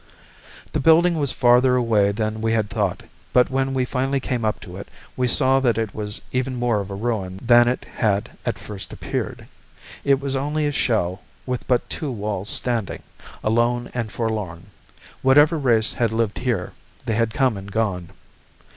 The building was farther away than we had thought, but when we finally came up to it, we saw that it was even more of a ruin than it had at first appeared. It was only a shell with but two walls standing, alone and forlorn. Whatever race had lived here, they had come and gone.